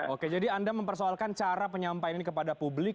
oke jadi anda mempersoalkan cara penyampaian ini kepada publik